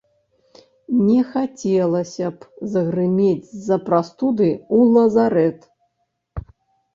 Не хацелася б загрымець з-за прастуды ў лазарэт.